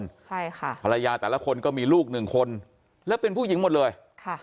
ใช่ค่ะภรรยาแต่ละคนก็มีลูกหนึ่งคนแล้วเป็นผู้หญิงหมดเลยค่ะ